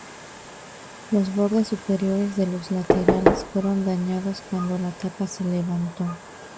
Los bordes superiores de los laterales fueron dañados cuando la tapa se levantó.